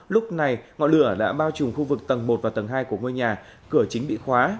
lúc này ngọn lửa đã bao trùm khu vực tầng một và tầng hai của ngôi nhà cửa chính bị khóa